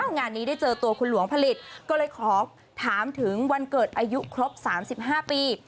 งานนี้ได้เจอตัวคุณหลวงผลิตก็เลยขอถามถึงวันเกิดอายุครบ๓๕ปี